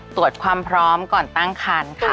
ตรวจความพร้อมก่อนตั้งคันค่ะ